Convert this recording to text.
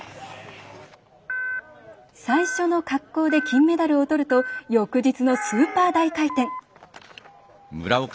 最初の滑降で金メダルをとると翌日のスーパー大回転。